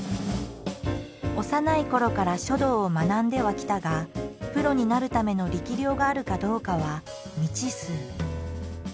幼いころから書道を学んではきたがプロになるための力量があるかどうかは未知数。